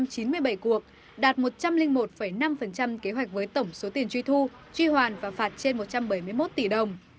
trên chín mươi bảy cuộc đạt một trăm linh một năm kế hoạch với tổng số tiền truy thu truy hoàn và phạt trên một trăm bảy mươi một tỷ đồng